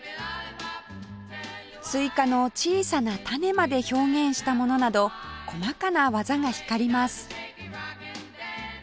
スイカの小さな種まで表現したものなど細かな技が光ります